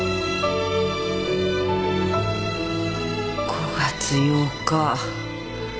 ５月８日。